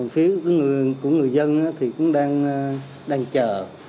phía của ngư dân cũng đang chờ